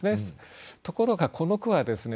ところがこの句はですね